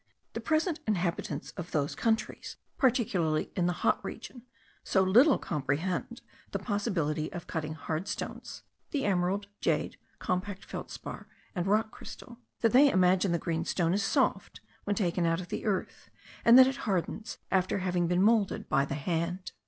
The present inhabitants of those countries, particularly in the hot region, so little comprehend the possibility of cutting hard stones (the emerald, jade, compact feldspar and rock crystal), that they imagine the green stone is soft when taken out of the earth, and that it hardens after having been moulded by the hand.